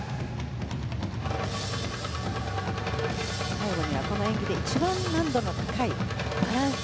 最後にはこの演技で一番難度の高いバランス。